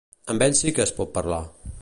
Amb ell sí que es pot parlar.